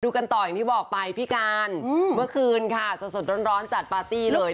กันต่ออย่างที่บอกไปพี่การเมื่อคืนค่ะสดร้อนจัดปาร์ตี้เลย